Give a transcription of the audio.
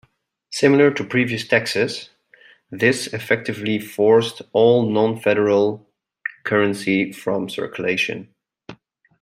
Similar to previous taxes, this effectively forced all non-federal currency from circulation.